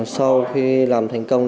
sau khi làm thành công